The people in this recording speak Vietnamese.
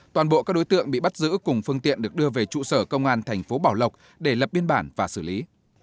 toàn bộ các đối tượng bị bắt giữ cùng phương tiện được đưa về trụ sở công an thành phố bảo lộc để lập biên bản và xử lý